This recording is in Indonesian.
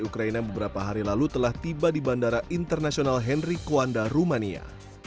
ukraina beberapa hari lalu telah tiba di bandara internasional henry kwanda rumania